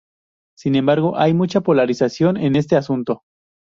Sin embargo, hay mucha polarización en este asunto.